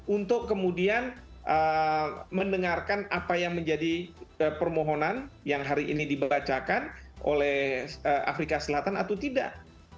untuk kemudian mendengarkan apa yang menjadi permohonan yang hari ini dibacakan oleh afrika selatan atau tidak